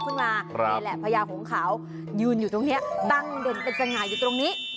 พระยาของขาวต่างเดินเป็นส่ายอยู่ตรงนี้